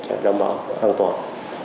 và đảm bảo an toàn